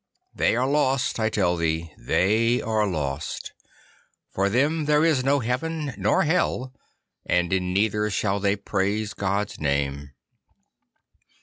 They are lost, I tell thee, they are lost. For them there is no heaven nor hell, and in neither shall they praise God's name.